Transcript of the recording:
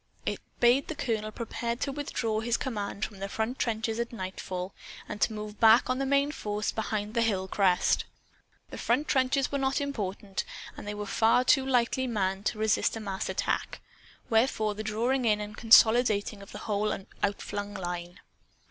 It bade the colonel prepare to withdraw his command from the front trenches at nightfall, and to move back on the main force behind the hill crest. The front trenches were not important; and they were far too lightly manned to resist a mass attack. Wherefore the drawing in and consolidating of the whole outflung line.